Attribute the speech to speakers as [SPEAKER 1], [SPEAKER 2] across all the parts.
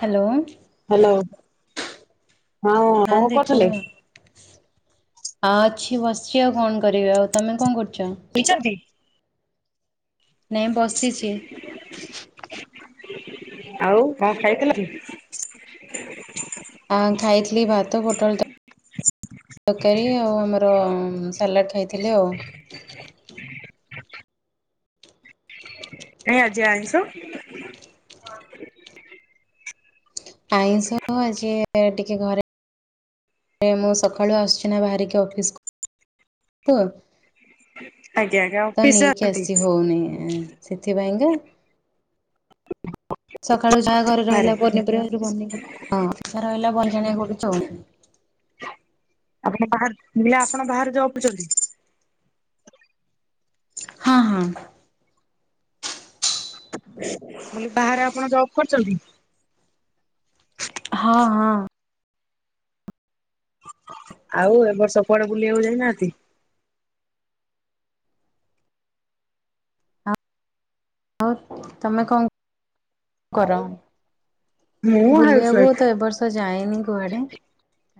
[SPEAKER 1] Hello.
[SPEAKER 2] Hello.
[SPEAKER 1] ହଁ ଦେଖୁ
[SPEAKER 2] କରୁଥିଲେ?
[SPEAKER 1] ଆଉ ଅଛି ବସିଛି ଆଉ କଣ କରିବି ଆଉ ତମେ କଣ କରୁ
[SPEAKER 2] ହେଇଛନ୍ତି
[SPEAKER 1] ନାଇଁ ବସିଚି।
[SPEAKER 2] ଆଉ କଁ ଖାଇଥିଲ କି।
[SPEAKER 1] ହଁ ଖାଇଥିଲି ଭାତ, ଫୋଟଳ ତ୍। ତକାରୀ ଆଉ ଆମର ସାଲାଡ଼ ଖାଇଥିଲି ଆଉ।
[SPEAKER 2] ଏଇ ଆଜି ଆଇଁଷ।
[SPEAKER 1] ଆଇଁଷ ଆଜି ଏ ଟିକେ ଘରେ। ମୁଁ ସକାଳୁ ଆସୁଚି ନା ବାହାରିକି ଅଫିସ୍ କୁ। ତ
[SPEAKER 2] ଆଜ୍ଞା ଆଜ୍ଞା
[SPEAKER 1] ତ
[SPEAKER 2] ଅଫିସ
[SPEAKER 1] ନେଇକି
[SPEAKER 2] ଯାଆନ୍ତି
[SPEAKER 1] ଆସି ହଉନି ସେଥିପାଇଁକା
[SPEAKER 2] [unintelligible]
[SPEAKER 1] ସକାଳୁ ଯାହା ଘରେ
[SPEAKER 2] ବାହାରେ
[SPEAKER 1] ରହିଲା ପନିପରିବା ହଁ ରହିଲା [unintelligible] ପଡ଼ିଚି ଆଉ
[SPEAKER 2] ଆପଣ ବା ଆପଣ ବାହାରେ [unintelligible]
[SPEAKER 1] ହଁ ହଁ
[SPEAKER 2] କହିଲି ବାହାରେ ଆପଣ ଜବ କରୁଛନ୍ତି
[SPEAKER 1] ହଁ ହଁ
[SPEAKER 2] ଆଉ ଏ ବର୍ଷ କୁଆଡେ ବୁଲିବାକୁ ଯାଇନାହାନ୍ତି
[SPEAKER 1] ହଉ ତମେ କଣ କର
[SPEAKER 2] ମୁଁ ହାଉସ
[SPEAKER 1] ବୁଲିବାକୁ
[SPEAKER 2] ୱାଇଫ୍
[SPEAKER 1] ତ ଏ ବର୍ଷ ଯାଏନି କୁଆଡେ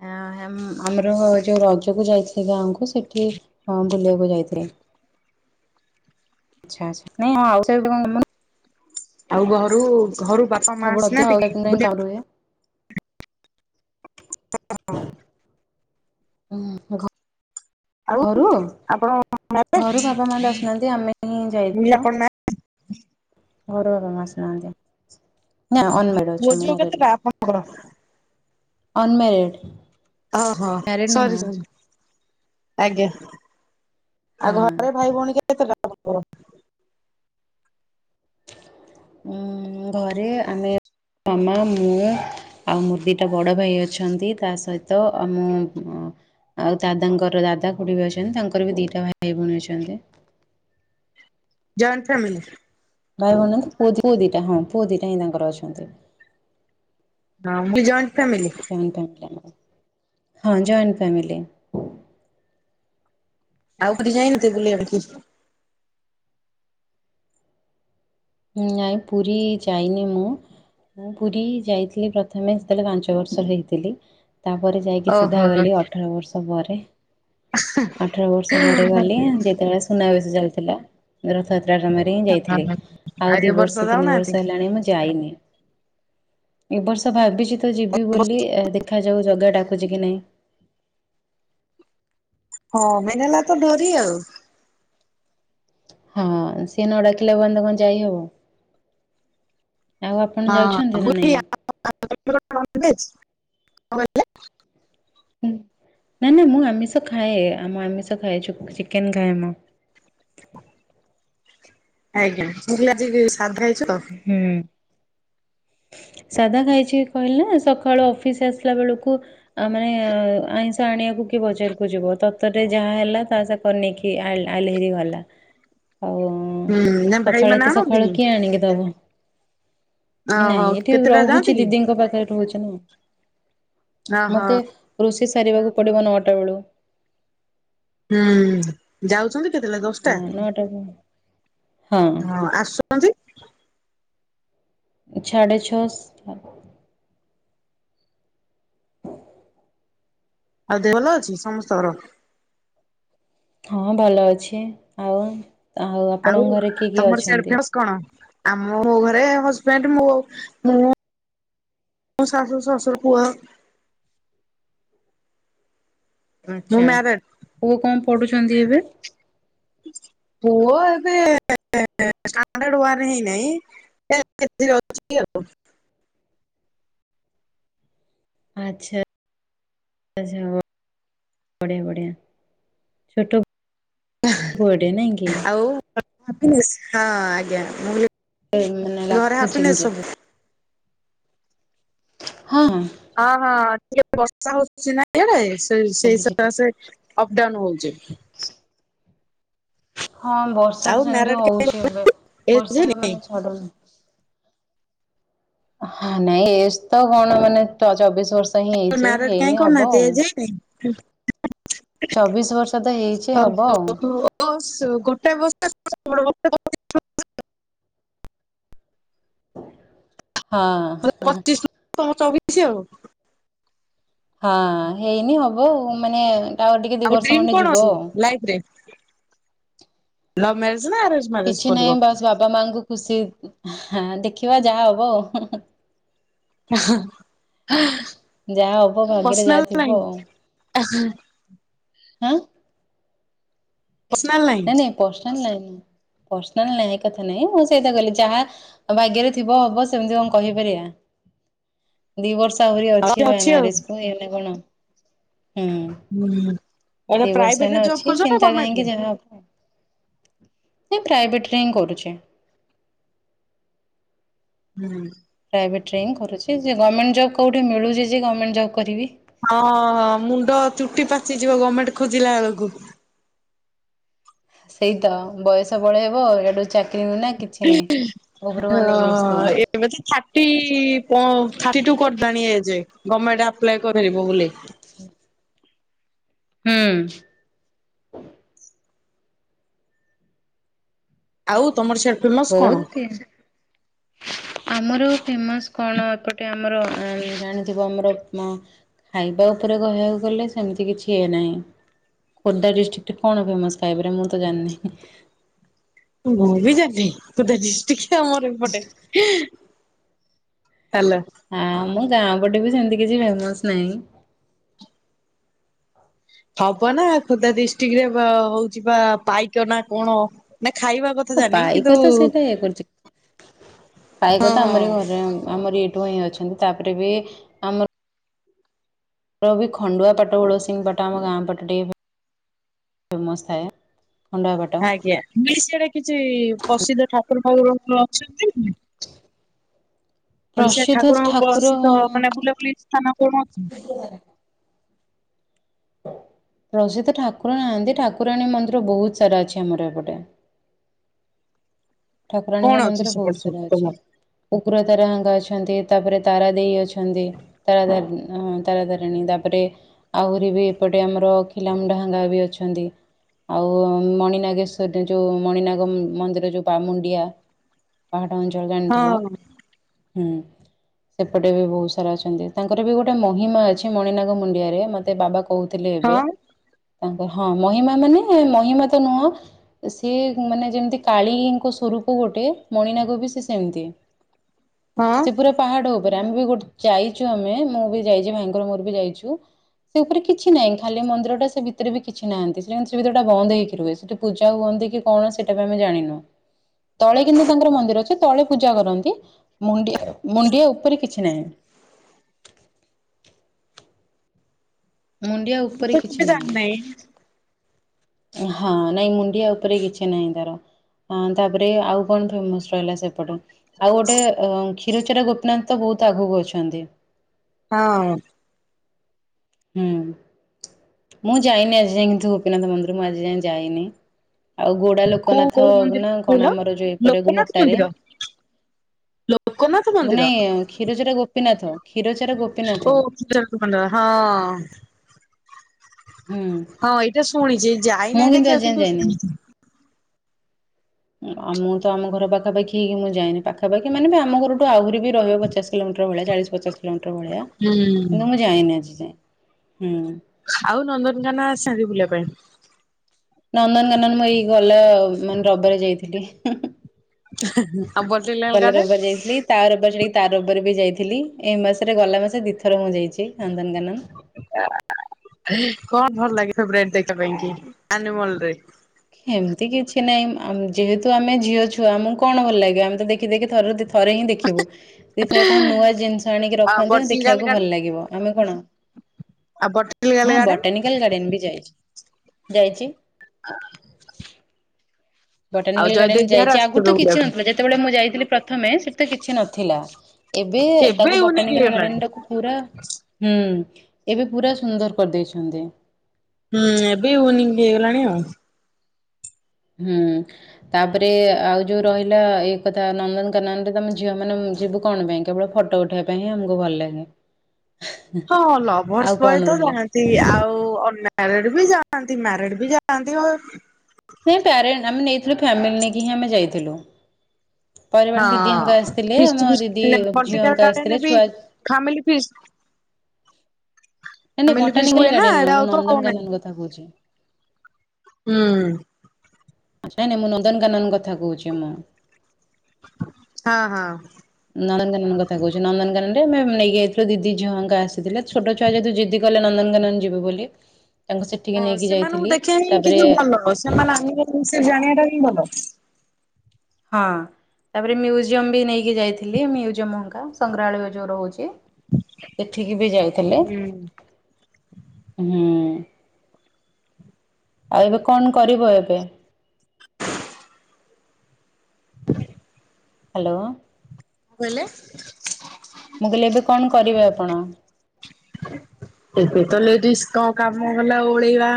[SPEAKER 1] ଆ ଆମର ଯୋଉ ରଜକୁ ଯାଇଥିଲି ଗାଁକୁ ସେଠି ହଁ ବୁଲିବାକୁ ଯାଇଥିଲି
[SPEAKER 2] [inaudible]
[SPEAKER 1] ଆଛା [unintelligible] ନାଇଁ
[SPEAKER 2] ଆଉ ଘରୁ ଘରୁ ବାପା ମା
[SPEAKER 1] ରଜ
[SPEAKER 2] ଆସନାନ୍ତି
[SPEAKER 1] ଆଉ ପାଇଁ
[SPEAKER 2] ଟିକେ
[SPEAKER 1] ଗାଁ ରୁହେ।
[SPEAKER 2] [unintelligible]
[SPEAKER 1] ହୁଁ
[SPEAKER 2] ଆଉ
[SPEAKER 1] ଘରୁ
[SPEAKER 2] ଆପଣ ମ୍ୟାରେଜ
[SPEAKER 1] ଘରୁ ବାପା ମା ଆସୁନାହାନ୍ତି ଆମେ ହିଁ
[SPEAKER 2] ମୁଁ କହିଲି
[SPEAKER 1] ଯାଇଛୁ
[SPEAKER 2] ଆପଣ ମ୍ୟା
[SPEAKER 1] ଘର ବାବା [unintelligible] ନା ଅନ ମେରେଡ୍
[SPEAKER 2] ପୁଅ
[SPEAKER 1] ଅଛି
[SPEAKER 2] ଝିଅ
[SPEAKER 1] ମ୍ୟାରଡ ନୁହଁ
[SPEAKER 2] [unintelligible]
[SPEAKER 1] ଅନ ମେରେଡ୍
[SPEAKER 2] ଓହୋ ସରି ସରି ଆଜ୍ଞା ଆଉ
[SPEAKER 1] ହଁ।
[SPEAKER 2] ଘରେ ଭାଇ ଭଉଣୀ କେତେ ଟା ଆପଣକର
[SPEAKER 1] ଘରେ ଆମେ ମାମା ମୁଁ ଆଉ ମୋର ଦିଟା ବଡ଼ ଭାଇ ଅଛନ୍ତି ତା ସହିତ ଆ ମୁଁ ଆଉ ଦାଦାଙ୍କର ଦାଦା ଖୁଡି ବି ଅଛନ୍ତି ତାଙ୍କର ବି ଦିଟା ଭାଇ ଭଉଣୀ ଅଛନ୍ତି
[SPEAKER 2] ଜଏଣ୍ଟ ଫ୍ୟାମିଲି
[SPEAKER 1] ଭାଇ ଭଉଣୀ ପୁଅ ଦିଟା ହଁ ପୁଅ ଦିଟା ହିଁ ତାଙ୍କର ଅଛନ୍ତି
[SPEAKER 2] ହଁ ମୁ ବି ଜଏଣ୍ଟ ଫ୍ୟାମିଲି
[SPEAKER 1] ହଁ ଜଏଣ୍ଟ୍ ଫ୍ୟାମିଲି
[SPEAKER 2] ଆଉ କୋଉଠିକି [unintelligible] ବୁଲିବାକୁ
[SPEAKER 1] ନାଇଁ ପୁରୀ ଯାଇନି ମୁଁ ମୁଁ ପୁରୀ ଯାଇଥିଲି ପ୍ରଥମେ ସେତେବେଳେ ପାଞ୍ଚ ବର୍ଷ ହେଇଥିଲି ତାପରେ ଯାଇକି ସିଧା
[SPEAKER 2] ଓହୋ
[SPEAKER 1] ଗଲି ଅଠର ବର୍ଷ ପରେ ଅଠର ବର୍ଷ ପରେ ଗଲି ଯେତେବେଳେ ସୁନାବେଶ ଚାଲିଥିଲା ରଥଯାତ୍ରାରେ ହିଁ
[SPEAKER 2] ଆଉ
[SPEAKER 1] ଯାଇଥିଲଥିଲେ ଆଉ ଦି
[SPEAKER 2] ଏ
[SPEAKER 1] ବର୍ଷ ତିନି
[SPEAKER 2] ଯାଉନାହାନ୍ତି?
[SPEAKER 1] ବର୍ଷ ହେଲାଣି ମୁଁ ଯାଇନି ଏ ବର୍ଷ ଭାବିଛି ତ ଯିବି ବୋଲି ଏ ଦେ ଦେଖାଯାଉ ଜାଗା ଡାକୁଛି କି ନାଇ?
[SPEAKER 2] ହଁ ମେନ ହେଲା ତ ଡୋରି ଆଉ।
[SPEAKER 1] ହଁ ସିଏ ନ ଡାକିଲେ ପଯ୍ୟନ୍ତ କଣ ଯାଇହବ। ଆଉ ଆପଣ
[SPEAKER 2] ହଁ
[SPEAKER 1] ଯାଉଛନ୍ତି ନା ନାଇଁ?
[SPEAKER 2] [inaudible]
[SPEAKER 1] ନା ନା ମୁଁ ଆମିଷ ଖାଏ ଆମ ଆମିଷ ଖାଏ ଚ ଚିକେନ ଖାଏ ମୁଁ।
[SPEAKER 2] ଆଜ୍ଞା [unintelligible] ଆଜି ସାଧା ହେଇଛ ତ।
[SPEAKER 1] ହୁଁ। ସାଧା ଖାଇଛି କହିଲା ନା ସକାଳୁ ଅଫିସ ଆସିଲା ବେଳକୁ ଆ ମାନେ ଆଇଁଷ ଆଣିବାକୁ କି ବଜରକୁ ଯିବ ତରତରେ ଯାହା ହେଲା ତା ସା ତା ନେଇକି ଆଇ ଆଇଲେହେରି ଭଲ। ଆଉ ହୁଁ
[SPEAKER 2] ନା ଭାଇ
[SPEAKER 1] ସକାଳୁ
[SPEAKER 2] ମାନେ
[SPEAKER 1] ଏତେ ସକାଳୁ
[SPEAKER 2] ଆଣନ୍ତିନି
[SPEAKER 1] କିଏ ଆଣିକି ଦବ
[SPEAKER 2] ଓହୋ
[SPEAKER 1] ନାଇଁ ଏଠି
[SPEAKER 2] କେତେଟା ଯାଆନ୍ତି
[SPEAKER 1] ରହୁଛି
[SPEAKER 2] କି?
[SPEAKER 1] ଦିଦିଙ୍କ ପାଖରେ ରହୁଛି ନା।
[SPEAKER 2] ଓହୋ
[SPEAKER 1] ମତେ ରୋଷେଇ ସାରିବାକୁ ପଡିବ ନଅଟା ବେଳୁ।
[SPEAKER 2] ହୁଁ ଯାଉଛନ୍ତି କେତେବେଳେ ଦଶଟା?
[SPEAKER 1] ହଁ ନଅଟା କୁ-
[SPEAKER 2] ହ
[SPEAKER 1] ହଁ
[SPEAKER 2] ଆସ ହଁ [unintelligible]
[SPEAKER 1] ସାଢ଼େ ଛଅ ସା
[SPEAKER 2] ଆଉ ଦେହ ଭଲ ଅଛି ସମସ୍ତଙ୍କର?
[SPEAKER 1] ହଁ ଭଲ ଅଛି ଆଉ ଆଉ ଆପଣଙ୍କ ଘରେ କିଏ କିଏ
[SPEAKER 2] ତମର ସିଆଡେ
[SPEAKER 1] ଅଛନ୍ତି?
[SPEAKER 2] ଫେମସ କଣ ଆମ ମୋ ଘରେ ହଜବେଣ୍ଡ ମୁଁ ଆଉ ମୁଁ ମୋ ଶାଶୁ ଶ୍ୱାଶୁର ପୁଅ। ମୁଁ
[SPEAKER 1] ଆଚ୍ଛା
[SPEAKER 2] ମ୍ୟାରେଡ
[SPEAKER 1] ପୁଅ କଣ ପଢୁଛନ୍ତି ଏବେ?
[SPEAKER 2] ପୁଅ ଏବେ ହେଁନାହିଁ ଆଉ [unintelligible]
[SPEAKER 1] ଆଚ୍ଛା [unintelligible] ବଢିଆ ବଢ଼ିଆ ଛୋଟ
[SPEAKER 2] ଆଉ
[SPEAKER 1] ପୁଅଟେ ନାଇଁ କି?
[SPEAKER 2] [unintelligible] ହଁ ଆଜ୍ଞା ମୁଁ କହିଲି
[SPEAKER 1] ମାନେ
[SPEAKER 2] ଘରେ
[SPEAKER 1] ରାଖୁଛି ମୁଁ
[SPEAKER 2] ହାପିନେସ୍ ସବୁ?
[SPEAKER 1] ଟିକେ ହଁ ହଁ।
[SPEAKER 2] ହଁ ହଁ ଟିକେ ବର୍ଷା ହଉଛି ନା ଇଆଡେ ସେ
[SPEAKER 1] ସବୁକିଛି ଠିକ୍।
[SPEAKER 2] ସେଇସକାଶେ ଅପ ଡାଉନ୍ ହଉଛି।
[SPEAKER 1] ହଁ ବର୍ଷା
[SPEAKER 2] ଆଉ
[SPEAKER 1] ତ ସେମିତି
[SPEAKER 2] ମ୍ୟାରେଡ
[SPEAKER 1] ହଉଛି ଏବେ
[SPEAKER 2] ଏଜ
[SPEAKER 1] ବର୍ଷା
[SPEAKER 2] ହେଇନି
[SPEAKER 1] ମାନେ ଚ୍ଛାଡୁନ। ହଁ ନାଇଁ ଏଜ ତ କଣ ମାନେ ଚବିଶ ବର୍ଷ ହିଁ ହେଇଛି ହେଇନି ହବ ଆଉ।
[SPEAKER 2] ଆଜ [unintelligible]
[SPEAKER 1] ଚବିଶ ବର୍ଷ ତ ହେଇଛି ହବ ଆଉ।
[SPEAKER 2] ଗୋଟେ ବର୍ଷ ବଷ [unintelligible]
[SPEAKER 1] ହଁ।
[SPEAKER 2] ପଚିଶ ଚବିଶ ଆଉ [unintelligible]
[SPEAKER 1] ହଁ ହେଇନି ହବ ଆଉ ମାନେ ଟାୱାର ଟିକେ
[SPEAKER 2] ଆଉ
[SPEAKER 1] ଦିଇ ବର୍ଷ
[SPEAKER 2] ଡ୍ରିମ୍
[SPEAKER 1] ଖଣ୍ଡେ
[SPEAKER 2] କଣ
[SPEAKER 1] ଯିବ
[SPEAKER 2] ଅଛି
[SPEAKER 1] ଆଉ।
[SPEAKER 2] ଲାଇଫ ରେ ଲଭ୍ ମରେଜ ନା ଅରେଞ୍ଜ?
[SPEAKER 1] କିଛି ନାହିଁ ବାସ୍ ବାପା ମାଙ୍କୁ ଖୁସି ଦେଖିବା ଯାହା ହବ ଆଉ। ଯାହା ହବ ଭାଗ୍ୟରେ ଯାହା ଥିବ ଆଉ।
[SPEAKER 2] ଆହା
[SPEAKER 1] ଏଁ।
[SPEAKER 2] ପର୍ସନାଲ ନାଇ।
[SPEAKER 1] [unintelligible] ଭାଗ୍ୟରେ ଥିବ ହବ ସେମିତି କଣ କହିପାରିବା ଦି ବର୍ଷ ଆହୁରି ଅଛି ଭ ମ୍ୟାରେଜ କ କଣ ହୁଁ।
[SPEAKER 2] ହୁଁ। ଏଇଟା ପ୍ରାଇଭେଟରେ
[SPEAKER 1] ଦେବସ୍ନାନ
[SPEAKER 2] ଜବ୍
[SPEAKER 1] ଅଛି
[SPEAKER 2] କରୁଛ ନା
[SPEAKER 1] ଚିନ୍ତା
[SPEAKER 2] ଗମେଣ୍ଟରେ?
[SPEAKER 1] କାହିଁକି ଯାହା ଏଁ ପ୍ରାଇଭେଟ୍ରେ ହିଁ କରୁଛେ।
[SPEAKER 2] ହୁଁ।
[SPEAKER 1] ପ୍ରାଇଭେଟ୍ରରେ ହି କରୁଛି ଯେ ଗଭର୍ଣ୍ଣେଣ୍ଟ ଜବ କେଉଁଠି ମିଳୁଛି ଯେ ଗର୍ଣ୍ମେଣ୍ଟ ଜବ୍ କରିବି।
[SPEAKER 2] ହଁ ମୁଣ୍ଡ ଚୁଟି ପାଚିଯିବ ଗଭର୍ଣ୍ଣମେଣ୍ଟ ଖୋଜିଲା ବେଳକୁ।
[SPEAKER 1] ସେଇ ତ ବୟସ ବଳେଇ ହେବ ଏଇଠୁ ଚାକି ପିବି ନା କିଛି ନାଇଁ ଉପର କୁ ଅନେଇକି
[SPEAKER 2] ହଁ
[SPEAKER 1] ବସିଥିବ।
[SPEAKER 2] ଏବେ ତ ଥାଟି ପ ଥାଟି ଟୁ କରିଦେଲାନି ଏଜେ ଗମେଣ୍ଟ୍ ଆପ୍ଲାଏ କରିିଇବ ବୋଲି।
[SPEAKER 1] [inaudible] ହୁଁ।
[SPEAKER 2] ଆଉ ତମର ସେ
[SPEAKER 1] ବହୁତ [unintelligible] ଆମର ଫେମସ କଣ ଏପଟେ ଆମର ଅ ଜାଣି ଥିବ ଆମର ଖାଇବା ଉପରେ କହିବାକୁ ଗଲେ ସେମିତି କିଛି ହେଏ ନାହିଁ। ଖୋର୍ଦ୍ଧା ଡିଷ୍ଟ୍ରିକ୍ଟ କଣ ଫେମସ ଖାଇପାରେ ମୁଁ ତ ଜାଣିନି
[SPEAKER 2] ମୁ ବି ଯେ କତେଷ୍ିକ ମରେପଟେ ହାଲୋ।
[SPEAKER 1] ଆଉ ମୁ ଗାଁ ପଟେ ବି ସେମିତି କିଛି ଫେମସ୍ ନାହିଁ
[SPEAKER 2] ହବ ନା ଖୋର୍ଦ୍ଧା ଡିଷ୍ଟିକ୍ ରେ ବ ହଉଛି ପା ପାଇକ ନା କଣ ନା ଖାଇବା କଥା
[SPEAKER 1] ହଁ
[SPEAKER 2] ଜାଣିନି କିନ୍ତୁ
[SPEAKER 1] ପାଇକ ତ
[SPEAKER 2] ହଁ
[SPEAKER 1] ସେଇଟା ଇଏ କରୁଛି ପାଇକ ତ
[SPEAKER 2] ହଁ
[SPEAKER 1] ଆମର ଘରେ ଆମର ଏଇଠୁ ହିଁ ଅଛନ୍ତି ତାପରେ ବି ରବି ଖଣ୍ଡୁଆପାଟ ଗୋଳସିଙ୍ଗ୍ ପାଟ ଆମ ଗାଁ ପାଟ ଟିକେ ଫେମସ୍ ଥାଏ। ଖଣ୍ଡୁଆ ପାଟ
[SPEAKER 2] ଆଜ୍ଞା ବି ସିଆଡେ କିଛି ପ୍ରସିଦ୍ଧ ଠାକୁର ଫାକୁର କଣ ଅଛନ୍ତି? ପଇସା ଠାକୁର ଙ୍କ ପ୍ରସିଦ୍ଧ ମାନେ ବୁଲାବୁଲି ସ୍ଥାନ କଣ ଅ
[SPEAKER 1] ପ୍ରସିଦ୍ଧ ଠାକୁର ନାହାନ୍ତି ଠାକୁରାଣୀ ମନ୍ଦିର ବହୁତ୍ ସାରା ଅଛି ଆମର ଏପଟେ।
[SPEAKER 2] କଣ
[SPEAKER 1] ଠାକୁରାଣୀଙ୍କ
[SPEAKER 2] ଅଛି
[SPEAKER 1] ମନ୍ଦିର ବହୁତ୍
[SPEAKER 2] ସେପଟେ ସବୁ
[SPEAKER 1] ସାରା ଅଛି।
[SPEAKER 2] ତମର?
[SPEAKER 1] କୁକୁର ତାରାଙ୍କା ଅଛନ୍ତି ତାପରେ ତାରା ଦେଇ ଅଛନ୍ତି ତାରାତାରିଣୀ ଆ ତାରାତାରିଣୀ ତାପରେ ଆହୁରି ବି ଏପଟେ ଆମର ଖିଲାମୁଡ଼ାହାଙ୍ଗା ବି ଅଛନ୍ତି। ଆଉ ମଣିନାଗେଶ୍ଵର ଯୋଉ ମଣିନାଗ ମନ୍ଦିର ଯଉ ପାାମୁଣ୍ଡିଆ ପାହାଡ଼ ଅଞ୍ଚଳ ଜାଣିଥିବ
[SPEAKER 2] ହଁ
[SPEAKER 1] ହୁଁ। ସେପଟେ ବି ବହୁତ୍ ସାରା ଅଛନ୍ତି ତାଙ୍କର ବି ଗୋଟେ ମହିମା ଅଛି ମଣିନାଗ ମୁଣ୍ଡିଆରେ ମତେ ବାବା କହୁଥିଲେ ଏବେ
[SPEAKER 2] ହଁ
[SPEAKER 1] ତାଙ୍କ ହଁ ମହିମା ମାନେ ମହିମା ତ ନୁହଁ ସିଏ ମାନେ ଯେମିତି କାଳି ସ୍ୱରୂପ ଗୋଟେ ମଣିନାଗ ବି ସେ ସେମିତି
[SPEAKER 2] ହଁ।
[SPEAKER 1] ସେ ପୁରା ପାହାଡ଼ ଉପରେ ଆମେ ବି ଗୋଟେ ଯାଇଛୁ ଆମେ ମୁଁ ବି ଯାଇଛି ଭାଇଙ୍କର ମୋର ବି ଯାଇଛୁ। ସେ ଉପରେ କିଛି ନାହିଁ ଖାଲି ମନ୍ଦିର ଟା ସେ ଭିତରେ ବି କିଛି ନାହାନ୍ତି ସେ ସେ ଭିତରେଟା ବନ୍ଦ ହେଇକି ରୁହେ ସେଠୁ ପୂଜା ହୁଅନ୍ତି କି କଣ ସେଇଟା ବି ଆମେ ଜାଣିନୁ। ତଳେ କିନ୍ତୁ ତାଙ୍କର ମନ୍ଦିର ଅଛି ତଳେ ପୂଜା କରନ୍ତି ମୁଣ୍ଡିଆ ମୁଣ୍ଡିଆ ଉପରେ କିଛି ନାହିଁ। ମୁଣ୍ଡିଆ
[SPEAKER 2] ମୁଁ
[SPEAKER 1] ଉପରେ
[SPEAKER 2] ତ କେବେ
[SPEAKER 1] କିଛି ନାହିଁ।
[SPEAKER 2] ଜାଣିନାହିଁ।
[SPEAKER 1] ହଁ ନାଇଁ ମୁଣ୍ଡିଆ ଉପରେ କିଛି ନାହିଁ ତାର। ହଁ ତାପରେ ଆଉ କଣ ଫେମସ୍ ରହିଲା ସେପଟେ? ଆଉ ଗୋଟେ ଅ କ୍ଷୀରଚେର ଗୋପୀନାଥ ବୋହୁତ୍ ଆଗକୁ ଅଛନ୍ତି।
[SPEAKER 2] ହଁ।
[SPEAKER 1] ହୁଁ। ମୁଁ ଯାଇନି ଆଜି ଯାଁଏ କିନ୍ତୁ ଗୋପୀନାଥ ମନ୍ଦିର ମୁଁ ଆଜି ଯାଁଏ ଯାଇନି ଆଉ ଗୋଡ଼ା ଲୋ
[SPEAKER 2] କୋଉ
[SPEAKER 1] କନାଥ
[SPEAKER 2] କୋଉ ମନ୍ଦିର
[SPEAKER 1] ନା କଣ
[SPEAKER 2] କହିଲ?
[SPEAKER 1] ଆମର ଯୋଉ ଏପଟେ
[SPEAKER 2] ଲୋକନାଥ
[SPEAKER 1] ଗୁମଟାରେ।
[SPEAKER 2] ମନ୍ଦିର ଲୋକନାଥ ମନ୍ଦିର
[SPEAKER 1] ନାଇଁ କ୍ଷୀରଚୋରା ଗୋପୀନାଥ କ୍ଷୀରଚୋରା
[SPEAKER 2] ଓ
[SPEAKER 1] ଗୋପୀନାଥ।
[SPEAKER 2] [unintelligible] ହଁ।
[SPEAKER 1] ହୁଁ
[SPEAKER 2] ହଁ ଏଇଟା ଶୁଣିଚି
[SPEAKER 1] ମୁଁ
[SPEAKER 2] ଯାଇନାଇଁ
[SPEAKER 1] ଆଜି
[SPEAKER 2] ଦେଖିବାକୁ
[SPEAKER 1] ଯାଏ
[SPEAKER 2] କିନ୍ତୁ
[SPEAKER 1] ଯାଇନି।
[SPEAKER 2] ଶୁଣିଚି।
[SPEAKER 1] ଆ ମୁଁ ତ ଆମ ଘର ପାଖାପାଖି ହେଇକି ମୁଁ ଯାଇନି ପାଖାପାଖି ମାନେ ବି ଆମ ଘରଠୁ ଆହୁରି ବି ରହିବ ପଚାଶ୍ କିଲୋମିଟର ଭଳିଆ ଚାଳିଶ୍ ପଚାଶ୍ କିଲୋମିଟର ଭଳିଆ
[SPEAKER 2] ହୁଁ
[SPEAKER 1] କିନ୍ତୁ ମୁଁ ଯାଇନି ଆଜି ଯାଏଁ ହୁଁ।
[SPEAKER 2] ଆଉ ନନ୍ଦନକାନ ଆସିଚନ୍ତି ବୁଲିବା ପାଇଁ?
[SPEAKER 1] ନନ୍ଦନକାନନ ମ ଏଇ ଗଲା ମାନେ ରବିବାରେ ଯାଇଥିଲି।
[SPEAKER 2] ଆଉ ବଟନିକାଲ
[SPEAKER 1] ଗଲା
[SPEAKER 2] ଗାର୍ଡେନ?
[SPEAKER 1] ରବିବାର୍ ଯାଇଥିଲି। ତା ରବିବାର ଛାଡ଼ିକି ତା ରବିବାରେ ବି ଯାଇଥିଲି ଏ ମାସରେ ଗଲା ମାସେ ଦିଥର ମୁଁ ଯାଇଚି ନନ୍ଦନକାନନ୍।
[SPEAKER 2] ଆ କଣ ଭଲ ଲାଗେ ଫେବରାଇଟ୍ ଦେଖିବା ପାଇଁ କି ଆନିମଲ୍ ରେ?
[SPEAKER 1] ହେମିତି କିଛି ନାହିଁ ଆ ଯେହେତୁ ଆମେ ଝିଅ ଛୁଆ ଆମକୁ କଣ ଭଲ ଲାଗିବ ଆମେ ତ ଦେଖି ଦେଖି ଥରେ ଦି ଥରେ ହିଁ ଦେ କିବୁ। ଏଇଥର କ ନୂଆ ଜିନିଷ ଆଣିକି
[SPEAKER 2] ଆଉ
[SPEAKER 1] ରଖନ୍ତେ
[SPEAKER 2] ବଟନିକାଲ
[SPEAKER 1] ଦେଖିବାକୁ
[SPEAKER 2] ଗାର୍ଡେନ
[SPEAKER 1] ଭଲ୍ ଲାଗିବ ଆମେ କଣ
[SPEAKER 2] ଆଉ ବଟନିକାଲ
[SPEAKER 1] ହଁ
[SPEAKER 2] ଗାର୍ଡେନ
[SPEAKER 1] ବଟାନିକାଲ୍ ଗାର୍ଡେନ୍ ବି ଯାଇଚି ଯାଇଚି।
[SPEAKER 2] ଆଉ
[SPEAKER 1] ବଟାନିକାଲ୍ ଗାର୍ଡେନ୍
[SPEAKER 2] ଜୟଦେବ ବିହାର
[SPEAKER 1] ଯାଇଚି ଆଗରୁ
[SPEAKER 2] ଆସିଥିବେ
[SPEAKER 1] ତ କିଛି
[SPEAKER 2] ବୁଲିବାକୁ।
[SPEAKER 1] ନଥିଲା ଯେତେବେଳେ ମୁଁ ଯାଇଥିଲି ପ୍ରଥମେ ସେଠି ତ କିଛି ନଥିଲା। ଏବେ ତାକୁ
[SPEAKER 2] ୟୁନିକ୍
[SPEAKER 1] ବଟାନିକାଲ୍
[SPEAKER 2] ହେଇଗଲାଣି।
[SPEAKER 1] ଗାଡ଼ିଆନ୍ ଟାକୁ ପୁରା ହୁଁ ଏବେ ପୁରା ସୁନ୍ଦର କରିଦେଇଛନ୍ତି।
[SPEAKER 2] ହୁଁ ଏବେ ୱନିଂ ବି ହେଇଗଲାଣି ଆଉ।
[SPEAKER 1] ହୁଁ। ତାପରେ ଆଉ ଯୋଉ ରହିଲା ଏଇ କଥା ନନ୍ଦନକାନାନ ରେ ତମ ଝିଅ ମାନେ ଯିବୁ କଣ ପାଇଁ? କେବଳ ଫଟୋ ଉଠେଇବା ପାଇଁ ହିଁ ଆମକୁ ଭଲ ଲାଗେ।
[SPEAKER 2] ହଁ
[SPEAKER 1] ଆଉ
[SPEAKER 2] ଲଭର୍ସ
[SPEAKER 1] କଣ
[SPEAKER 2] ବଏ ତ
[SPEAKER 1] ରହିଲା।
[SPEAKER 2] ଯା ତି ଆଉ ଅନ ମାରିଡ଼ ବି ଯାଆନ୍ତି ମ୍ୟାରେଡ ବି ଯାଆନ୍ତି ଅ
[SPEAKER 1] ନାଇଁ ପ୍ୟାରେଣ୍ଟ ଆମେ ନେଇଥିଲୁ ଫ୍ୟାମିଲି ନେଇକି ହିଁ ଆମେ ଯାଇଥିଲୁ। ପରିବାର ଦିଦିଙ୍କ ଆସିଥିଲେ
[SPEAKER 2] ଫିଷ୍ଟ
[SPEAKER 1] ଆମ ଦିଦି
[SPEAKER 2] ଫିଷ୍ଟ ପଲିଟିକାଲ
[SPEAKER 1] ଝିଅଙ୍କ
[SPEAKER 2] ଗାର୍ଡେନ
[SPEAKER 1] ଆସିଥିଲେ
[SPEAKER 2] ବି
[SPEAKER 1] ଛୁଆ
[SPEAKER 2] ଫାମିଲି ଫିଷ
[SPEAKER 1] ନାଇଁ
[SPEAKER 2] ଫାମିଲି ଫିଷ ହୁଏନା ଏଟା ଆଉ ତ ହଉନାହିଁ।
[SPEAKER 1] ତାଗୁଚି।
[SPEAKER 2] ହୁଁ।
[SPEAKER 1] ଆଚା ନାଇଁ ମୁଁ ନନ୍ଦନକାନନ କଥା କୋହୁଚି ମୁଁ।
[SPEAKER 2] ହଁ ହଁ।
[SPEAKER 1] ନନ୍ଦନକାନନ କଥା କହୁଛି ନନ୍ଦନକାନନ ରେମେ ନେଇକି ଯାଇଥିଲୁ ଦିଦି ଝିଅଙ୍କ ଆସିଥିଲେ ଛୋଟ ଛୁଆ ଯେତୁ ଜିଦି ଗଲେ ନନ୍ଦନକାନନ ଯିବେ ବୋଲି। ତାଙ୍କୁ ସେଠିକି
[SPEAKER 2] ହଁ
[SPEAKER 1] ନେଇକି
[SPEAKER 2] ସେମାନଙ୍କୁ
[SPEAKER 1] ଯାଇଥିଲି
[SPEAKER 2] ଦେଖିବା ହିଁ
[SPEAKER 1] ତାପରେ
[SPEAKER 2] କିନ୍ତୁ ଭଲ ସେମାନେ ଆଣିବା ସେ ଜାଣିବା ଟା ହିଁ ଭଲ।
[SPEAKER 1] ହଁ ତାପରେ ମ୍ୟୁଜିୟମ୍ ବି ନେଇକି ଯାଇଥିଲି ମ୍ୟୁଜିୟମ ଏଙ୍କା ସଂଗ୍ରହାଳୟ ଯୋଉ ରୋହୁଚି। ସେଠିକି ବି ଯାଇଥିଲେ।
[SPEAKER 2] ହୁଁ କଣ
[SPEAKER 1] ହୁଁ ଆଉ ଏବେ କଣ କରିବ ଏବେ? ହ୍ୟାଲୋ।
[SPEAKER 2] ଗଲେ
[SPEAKER 1] ମୁଁ କହିଲି ଏବେ କଣ କରିବେ ଆପଣ?
[SPEAKER 2] ଏବେ ତ ଲେଡିସ୍ କଣ କାମ କଲା ଓଳେଇବା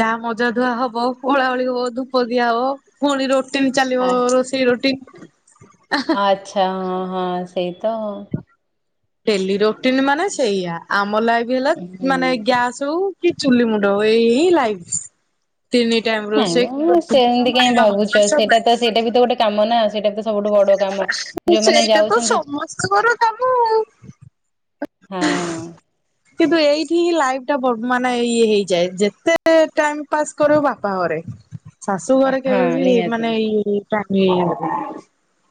[SPEAKER 2] ଯାହା ମଜା ଧୁଆ ହବ କୋଳାହଳି ହବ ଧୂପ ଦିଆ ହବ ପୁଣି ରୋ ଟି ନ
[SPEAKER 1] ଆ
[SPEAKER 2] ଚାଲିବ ରୋଷେଇ ରୋଟିନ
[SPEAKER 1] ଆଛା ହଁ ହଁ ସେଇ ତ ଆଉ।
[SPEAKER 2] ଡେଲି ରୋଟିନ ମାନେ ସେଇଆା ଆମ ଲାଇଫ ହେଲା
[SPEAKER 1] ହୁଁ
[SPEAKER 2] ମାନେ ଗ୍ୟାସ ହଉ କି ଚୁଲି ମୁଣ୍ଡ ଏଇ ହିଁ ଲାଇଫିସ୍‌। ତିନି ଟାଇମ
[SPEAKER 1] ନାଇଁ
[SPEAKER 2] ରୋଷେଇ
[SPEAKER 1] ମ ସେମିତି
[SPEAKER 2] [unintelligible]
[SPEAKER 1] କାମନା ସେଇଟାତ ସବୁଠୁ ବଡ କାମ ଯୋଉମାନେ
[SPEAKER 2] ସେଇଟା ତ
[SPEAKER 1] ଯାଉଚନ୍ତି
[SPEAKER 2] ସମସ୍ତଙ୍କର କାମ ଆଉ
[SPEAKER 1] ହଁ।
[SPEAKER 2] ହୁଁ କିନ୍ତୁ ଏଇଠି ହିଁ ଲାଇଫ ଟା ବର ମାନେ ଇଏ ହେଇଯାଏ ଯେତେ ଟାଇମ ପାସ୍ କରିବୁ ବାପା ଘରେ। ଶାଶୁ ଘରେ
[SPEAKER 1] ହଁ
[SPEAKER 2] କେବେ ବି
[SPEAKER 1] ନିହାତି
[SPEAKER 2] ମାନେ ଇ [unintelligible]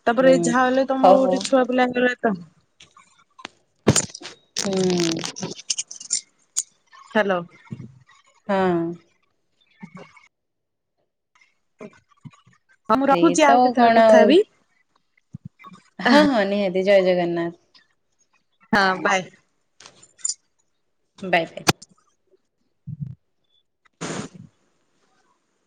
[SPEAKER 2] ତାପରେ
[SPEAKER 1] ହୁଁ।
[SPEAKER 2] ଏଇ ଯାହା ହେଲେ
[SPEAKER 1] ହଉ
[SPEAKER 2] ତମର
[SPEAKER 1] ହଉ
[SPEAKER 2] ଗୋଟେ ଛୁଆ ପିଲା ହେଇଗଲେ ତ
[SPEAKER 1] ହୁଁ।
[SPEAKER 2] ହ୍ୟାଲୋ।
[SPEAKER 1] ହଁ।
[SPEAKER 2] ହ ହଁ ମୁଁ
[SPEAKER 1] ସେଇ
[SPEAKER 2] ରଖୁଚି
[SPEAKER 1] ତ
[SPEAKER 2] ଆଉ କେତେବେଳେ
[SPEAKER 1] କଣ
[SPEAKER 2] କଥା
[SPEAKER 1] ଆଉ
[SPEAKER 2] ହେବି।
[SPEAKER 1] ହଁ ହଁ ନିହାତି ଜୟ ଜଗନ୍ନାଥ।
[SPEAKER 2] ହଁ ବାଏ
[SPEAKER 1] ବାଏ।